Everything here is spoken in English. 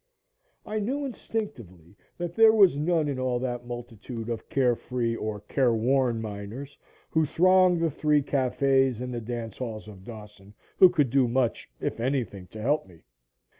I knew instinctively that there was none in all that multitude of carefree or careworn miners who thronged the three cafes and the dance halls of Dawson who could do much, if anything, to help me.